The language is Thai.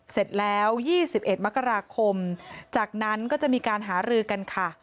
เสร็จแล้ว๒๑มกราคมจากนั้นก็จะมีการหารือกันค่ะ